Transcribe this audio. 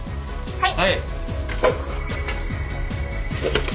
はい。